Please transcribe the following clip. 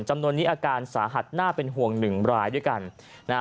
จำนวนนี้อาการสาหัสน่าเป็นห่วง๑รายด้วยกัน